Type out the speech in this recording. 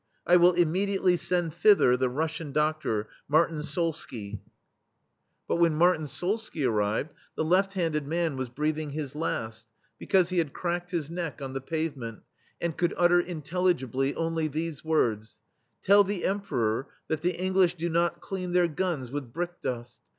I will immediately send thither the Russian do6tor, Mar tyn Solsky." THE STEEL FLEA But when Martyn Solsky arrived, the left handed man was breathing his last, because he had cracked his neck on • the pavement, and could utter intelli gibly only these words: "Tell the Em peror that the English do not clean their guns with brick dust.